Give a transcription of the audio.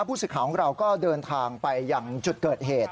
ผู้สื่อข่าวของเราก็เดินทางไปยังจุดเกิดเหตุ